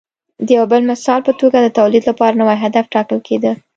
د یو بل مثال په توګه د تولید لپاره نوی هدف ټاکل کېده